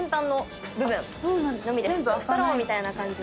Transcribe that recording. ストローみたいな感じ。